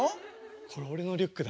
これ俺のリュックだ。